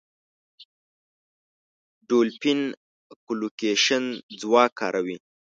ډولفین اکولوکېشن ځواک کاروي.